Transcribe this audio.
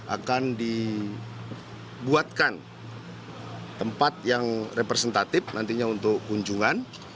akan dibuatkan tempat yang representatif nantinya untuk kunjungan